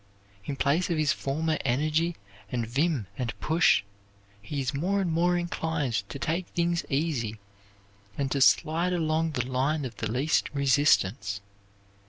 In place of his former energy and vim and push, he is more and more inclined to take things easy and to slide along the line of the least resistance.